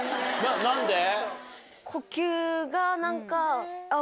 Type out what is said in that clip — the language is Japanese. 何で？